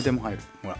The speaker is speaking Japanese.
ほら。